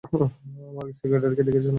আমার সেক্রেটারিকে দেখেছ নাকি?